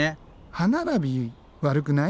歯並び悪くない？